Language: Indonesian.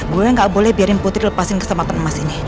gue gak boleh biarin putri lepasin kesempatan emas ini